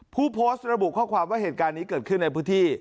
ผู้โพสต์ระบุข้อความว่าเหตุการณ์นี้เกิดขึ้นในพื้นที่